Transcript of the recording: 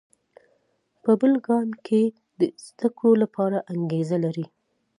په بل ګام کې د زده کړو لپاره انګېزه لري.